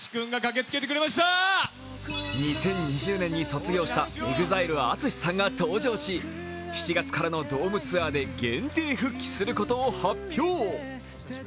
２０２０年に卒業したＥＸＩＬＥ・ＡＴＳＵＳＨＩさんが登場し７月からのドームツアーで限定復帰することを発表。